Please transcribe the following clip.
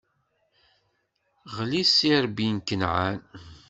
Ɣli s irebbi n Kenɛan.